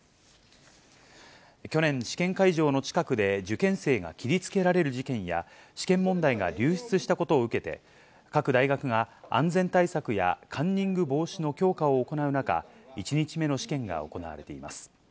去年、試験会場の近くで受験生が切りつけられる事件や、試験問題が流出したことを受けて、各大学が、安全対策やカンニング防止の強化を行う中、１日目の試験が行われています。